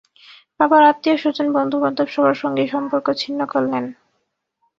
বাবার আত্মীয়স্বজন, বন্ধুবান্ধব সবার সঙ্গেই সম্পর্ক ছিন্ন করলেন।